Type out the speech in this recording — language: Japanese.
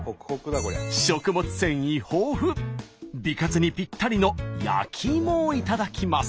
食物繊維豊富美活にぴったりの焼きいもを頂きます。